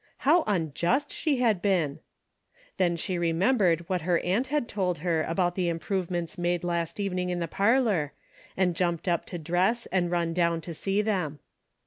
How unjust she had been ! Then she remembered what her aunt had told her about the improvements made last even ing in the parlor, and jumped up to dress and run down to see them.